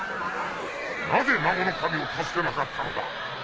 なぜナゴの守を助けなかったのだ！